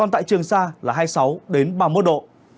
tại trường sa là hai mươi sáu ba mươi một độ